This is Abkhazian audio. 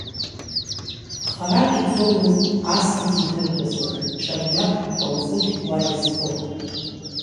Харак ицомызт асаӡ идырраз, ҿамҩак Ԥалӡыхь уа иазхон.